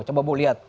coba bu lihat